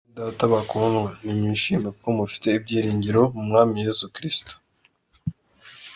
Bene data bakundwa, ni "mwishime" kuko mufite ibyiringiro mu mwami yesu kristo.